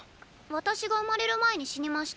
私が生まれる前に死にました。